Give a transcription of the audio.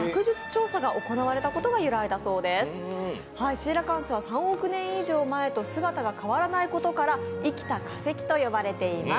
シーラカンスは３億年以上と姿が変わらないことから、生きた化石と呼ばれています。